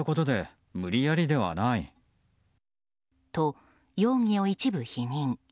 と、容疑を一部否認。